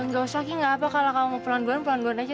gak usah ki gak apa kalau kamu mau pelan pelan pelan pelan aja